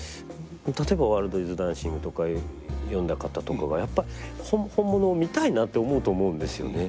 例えば「ワールドイズダンシング」とか読んだ方とかがやっぱり本物を見たいなと思うと思うんですよね。